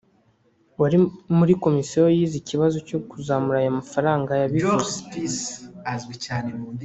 wari muri komisiyo yize ikibazo cyo kuzamura aya mafaranga yabivuze